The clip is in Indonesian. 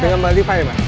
dengan mbak diva ya mbak